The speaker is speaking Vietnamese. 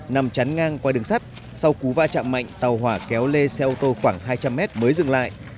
nằm chắn ngang qua đường sắt sau cú va chạm mạnh tàu hỏa kéo lê xe ô tô khoảng hai trăm linh mét mới dừng lại